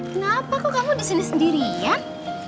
kenapa kok kamu disini sendirian